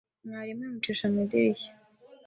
Mwarimu imucisha mu idirishya